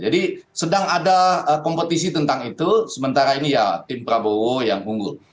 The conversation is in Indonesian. jadi sedang ada kompetisi tentang itu sementara ini ya tim prabowo yang unggul